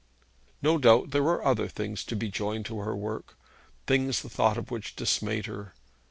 No doubt there were other things to be joined to her work, things the thought of which dismayed her.